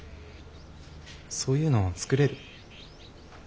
そういうの作れる？